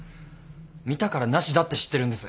見たから無田って知ってるんです。